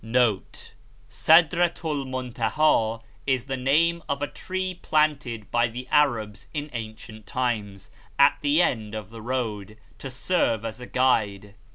note "Sadrat el Montaha" is the name of a tree planted by the Arabs in ancient times, at the end of the road, to serve as a guide.